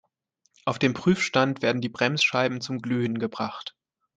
Auf dem Prüfstand werden die Bremsscheiben zum Glühen gebracht.